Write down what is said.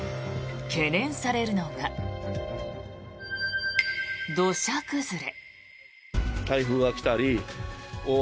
懸念されるのが、土砂崩れ。